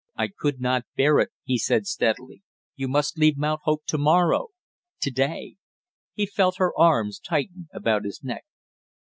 "I could not bear it," he said steadily. "You must leave Mount Hope to morrow to day " He felt her arms tighten about his neck.